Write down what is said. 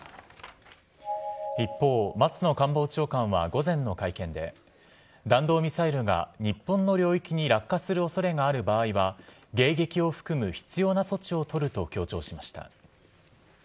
一方、松野官房長官は午前の会見で、弾道ミサイルが日本の領域に落下するおそれがある場合は、迎撃を含む必要な措置を取ると強調しました。